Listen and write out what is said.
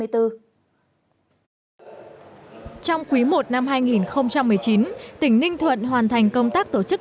trong quý i năm hai nghìn một mươi chín tỉnh ninh thuận hoàn thành công tác tổ chức